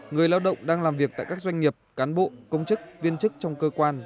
người lao động đang làm việc tại các doanh nghiệp cán bộ công chức viên chức trong cơ quan